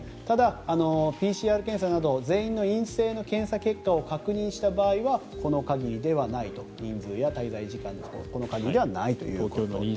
ただ、ＰＣＲ検査など全員の陰性の検査結果を確認した場合はこの限りではないと人数や滞在時間はこの限りではないと。